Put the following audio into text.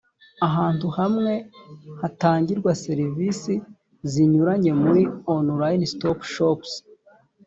ahantu hamwe hatangirwa serivisi zinyuranye muri one stop shops